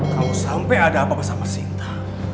kau sampai ada apa apa sama sinta